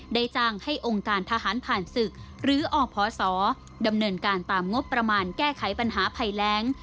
ได้จ้างให้องค์การทหารผ่านศึกหรืออพศดำเนินการตามงบประมาณแก้ไขปัญหาภัยแรง